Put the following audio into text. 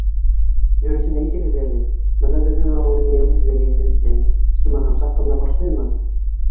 Дөрөҫөн әйтегеҙ әле, бына беҙҙең ауылдың йәмһеҙлеге һеҙҙе, исмаһам, саҡ ҡына борсоймо?